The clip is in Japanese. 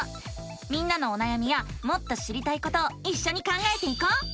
みんなのおなやみやもっと知りたいことをいっしょに考えていこう！